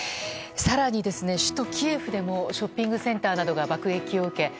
更に、首都キエフでもショッピングセンターなどが爆撃を受け